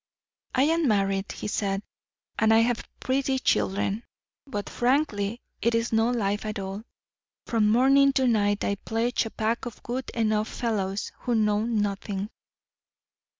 'I am married,' he said, 'and I have my pretty children. But frankly, it is no life at all. From morning to night I pledge a pack of good enough fellows who know nothing.